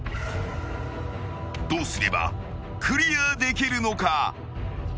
［どうすればクリアできるのか？］